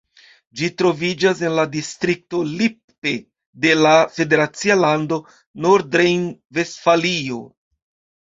Ĝi troviĝas en la distrikto Lippe de la federacia lando Nordrejn-Vestfalio.